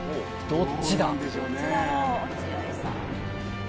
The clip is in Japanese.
どっちだ？